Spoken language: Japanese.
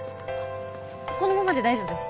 このままで大丈夫です。